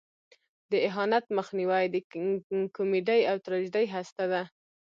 د اهانت مخنیوی د کمیډۍ او تراژیدۍ هسته ده.